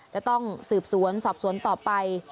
จะต้องสืบสวนสอบสวนต่อไป